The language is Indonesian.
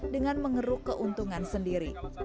dengan mengeruk keuntungan sendiri